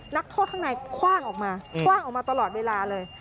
นักโทษข้างในคว่างออกมาคว่างออกมาตลอดเวลาเลย